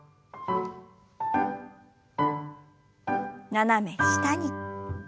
斜め下に。